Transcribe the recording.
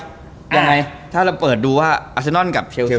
ยังไงถ้าเราเปิดดูว่าอาเซนอนกับเชล